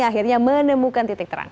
akhirnya menemukan titik terang